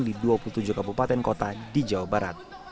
di dua puluh tujuh kabupaten kota di jawa barat